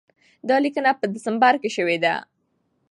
دا لیکنه په ډسمبر کې شوې ده.